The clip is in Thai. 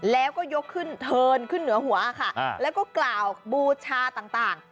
แล้วก็ยกขึ้นเทินขึ้นเหนือหัวค่ะแล้วก็กล่าวบูชาต่าง